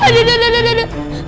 aduh aduh aduh aduh